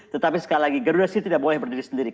tetapi sekali lagi garuda sih tidak boleh berdiri sendiri